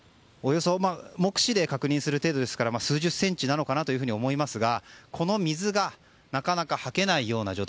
目視で確認する程度ですから数十センチかと思いますがこの水がなかなかはけない状態。